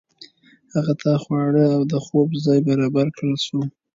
هغه ته خواړه او د خوب ځای برابر کړل شو.